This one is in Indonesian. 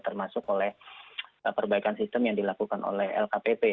termasuk oleh perbaikan sistem yang dilakukan oleh lkpp